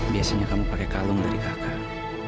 biasanya kamu pakai kalung dari kakak